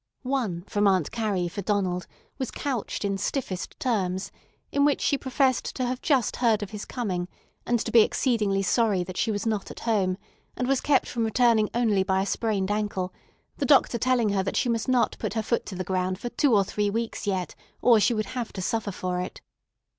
One from Aunt Carrie for Donald was couched in stiffest terms, in which she professed to have just heard of his coming, and to be exceedingly sorry that she was not at home, and was kept from returning only by a sprained ankle, the doctor telling her that she must not put her foot to the ground for two or three weeks yet, or she would have to suffer for it.